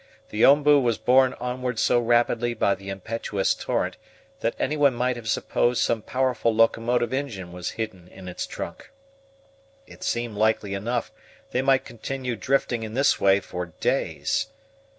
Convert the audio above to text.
The OMBU was borne onward so rapidly by the impetuous torrent, that anyone might have supposed some powerful locomotive engine was hidden in its trunk. It seemed likely enough they might continue drifting in this way for days.